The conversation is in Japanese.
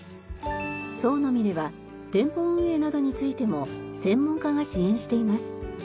創の実では店舗運営などについても専門家が支援しています。